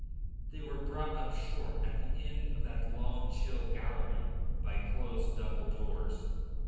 They were brought up short at the end of that long, chill gallery by closed double doors.